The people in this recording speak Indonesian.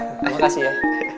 terima kasih ya